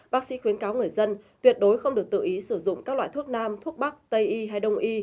bác sĩ khuyến cáo người dân tuyệt đối không được tự ý sử dụng các loại thuốc nam thuốc bắc tây y hay đông y